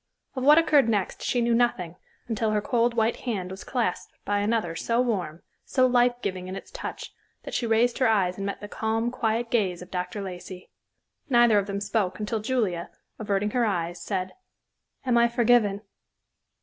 Of what occurred next she knew nothing until her cold white hand was clasped by another so warm, so life giving in its touch that she raised her eyes and met the calm, quiet gaze of Dr. Lacey. Neither of them spoke until Julia, averting her eyes, said, "Am I forgiven?"